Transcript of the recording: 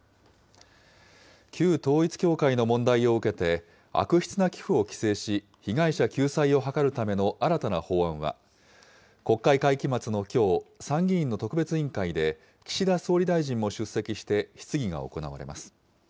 旧統一教会の問題を受けて、悪質な寄付を規制し、被害者救済を図るための新たな法案は、国会会期末のきょう、参議院の特別委員会で、岸田総理大臣も出席して質疑が行われます。